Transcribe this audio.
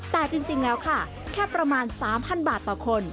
แต่จริงแล้วค่ะแค่ประมาณ๓๐๐บาทต่อคน